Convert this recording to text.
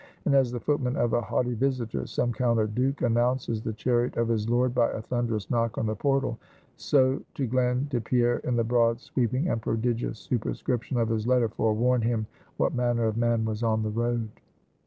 And as the footman of a haughty visitor some Count or Duke announces the chariot of his lord by a thunderous knock on the portal; so to Glen did Pierre, in the broad, sweeping, and prodigious superscription of his letter, forewarn him what manner of man was on the road.